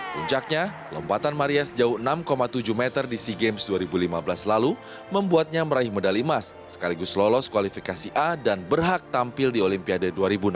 puncaknya lompatan maria sejauh enam tujuh meter di sea games dua ribu lima belas lalu membuatnya meraih medali emas sekaligus lolos kualifikasi a dan berhak tampil di olimpiade dua ribu enam belas